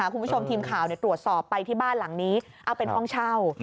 คุณผู้ชมทีมข่าวตรวจสอบไปที่บ้านหลังนี้เอาเป็นห้องเช่า